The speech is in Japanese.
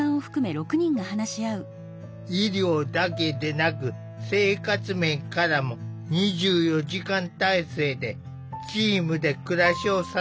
医療だけでなく生活面からも２４時間体制でチームで暮らしを支えている。